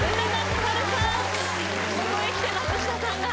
ここへきて松下さんが。